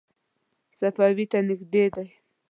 صفوي ته نږدې دی.